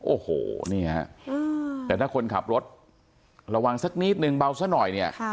โอ้โหแต่ถ้าคนขับรถระวังสักนิดนึงเบาแส่หน่อย